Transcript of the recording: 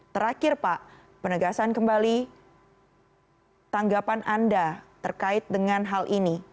terakhir pak penegasan kembali tanggapan anda terkait dengan hal ini